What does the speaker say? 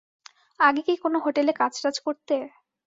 আগে কি কোনো হোটেলে কাজটাজ করতে?